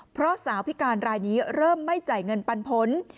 เพราะสาวพิการรายนี้เริ่มไม่จ่ายเงินปันผล